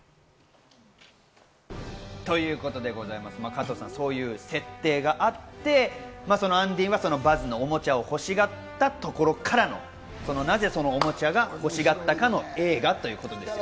加藤さん、そういう設定があって、アンディはバズのおもちゃを欲しがったところからの、なぜそのおもちゃが欲しがったかの映画ということです。